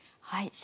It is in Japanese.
はい。